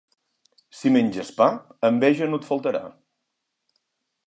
Si menges pa, enveja no et faltarà.